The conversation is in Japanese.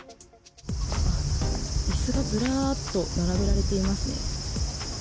いすがずらーっと並べられていますね。